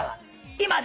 今だ！